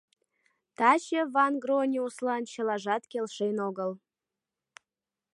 Таче Ван-Грониуслан чылажат келшен огыл.